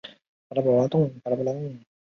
颗粒牛蛭为医蛭科牛蛭属的动物。